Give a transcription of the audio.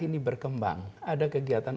ini berkembang ada kegiatan